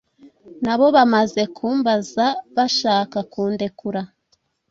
Na bo bamaze kumbaza, bashaka kundekura,